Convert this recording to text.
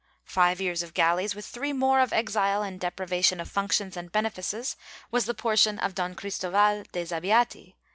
^ Five years of galleys, with three more of exile and deprivation of func tions and benefices, was the portion of Don Cristoval de Zabiati, 1 MSS.